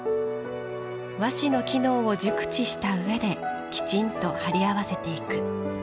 和紙の機能を熟知したうえできちんと張り合わせていく。